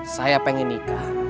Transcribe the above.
saya pengen nikah